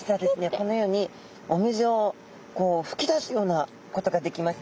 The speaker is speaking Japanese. このようにお水をこうふき出すようなことができます。